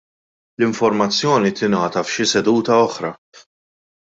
l-informazzjoni tingħata f'xi seduta oħra.